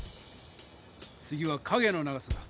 次は影の長さだ。